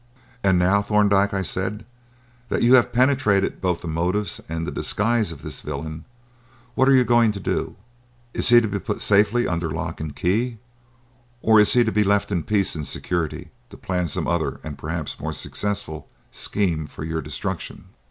"And now, Thorndyke," I said, "that you have penetrated both the motives and the disguise of this villain, what are you going to do? Is he to be put safely under lock and key, or is he to be left in peace and security to plan some other, and perhaps more successful, scheme for your destruction?"